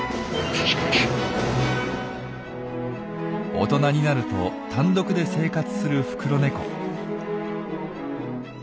大人になると単独で生活するフクロネコ。